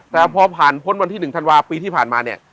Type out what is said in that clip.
แต่พอผ่านพ้นวันที่๑ธันวาปีที่ผ่านมาเนี่ย